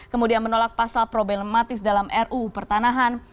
kemudian menolak pasal problematis dalam ru pertanahan